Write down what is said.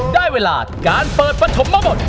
ได้เวลาการเปิดประถมมาหมด